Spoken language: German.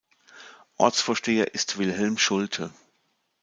Ortsvorsteher ist Wilhelm Schulte.